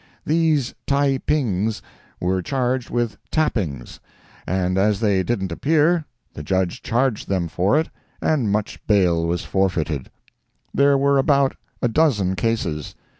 These Taepings were charged with tappings, and as they didn't appear, the Judge charged them for it, and much bail was forfeited. There were about a dozen cases.